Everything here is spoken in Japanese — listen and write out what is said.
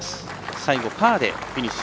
最後、パーでフィニッシュ。